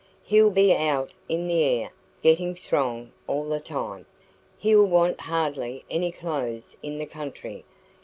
He'll be out in the air, getting strong, all the time. He'll want hardly any clothes in the country.